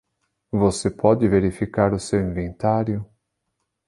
Você pode verificar o seu inventário?